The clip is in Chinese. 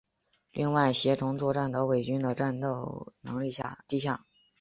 另外协同作战的伪军的战斗能力低下。